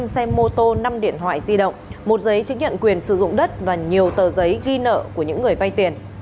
năm xe mô tô năm điện thoại di động một giấy chứng nhận quyền sử dụng đất và nhiều tờ giấy ghi nợ của những người vay tiền